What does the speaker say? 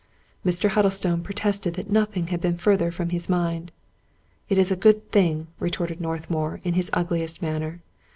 Mr. Huddlestone protested that nothing had been further from his mind. " It is a good thing," retorted Northmour in his ugliest manner.